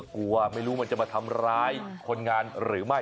กลัวไม่รู้มันจะมาทำร้ายคนงานหรือไม่